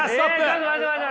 ちょっと待って待って。